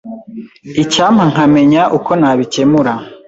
Icyampa nkamenya uko nabikemura .